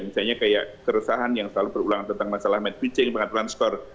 misalnya kayak keresahan yang selalu berulang tentang masalah match pitching pengaturan skor